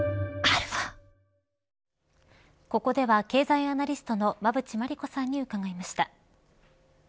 ここでは経済アナリストの馬渕磨理子さんに伺いました。